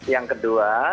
yang kedua dari